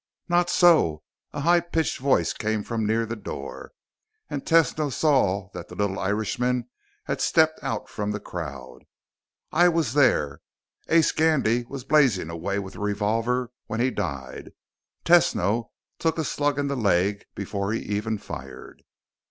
"Not so!" A high pitched voice came from near the door, and Tesno saw that the little Irishman had stepped out from the crowd. "I was there. Ace Gandy was blazing away with a revolver when he died. Tesno took a slug in the leg before he even fired."